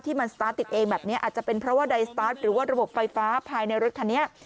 มันสตาร์ทติดเองแบบนี้อาจจะเป็นเพราะว่าใดสตาร์ทหรือว่าระบบไฟฟ้าภายในรถคันนี้